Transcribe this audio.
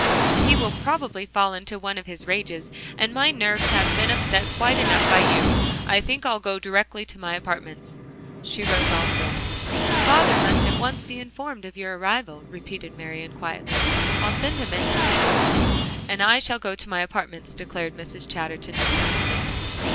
"He will probably fall into one of his rages, and my nerves have been upset quite enough by you. I think I'll go directly to my apartments." She rose also. "Father must at once be informed of your arrival," repeated Marian quietly. "I'll send him in to see you." "And I shall go to my apartments," declared Mrs. Chatterton determinedly.